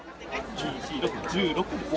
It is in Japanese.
２４６１６です